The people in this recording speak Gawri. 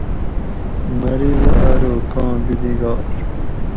مریض ارو کاں بیلگار